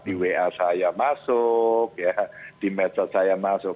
di wa saya masuk di medsos saya masuk